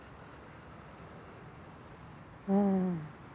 うん。